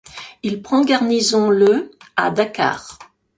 Il prend garnison le à Dakar.